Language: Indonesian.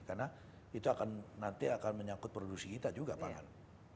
karena itu akan nanti akan menyangkut produksi kita juga pangan